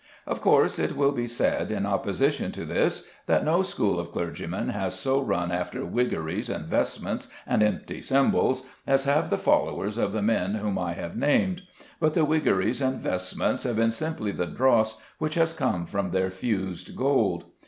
Of course, it will be said, in opposition to this, that no school of clergymen has so run after wiggeries and vestments and empty symbols as have the followers of the men whom I have named. But the wiggeries and vestments have been simply the dross which has come from their fused gold.